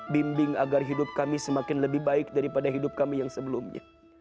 bimbing agar hidup kami semakin lebih baik daripada hidup kami yang sebelumnya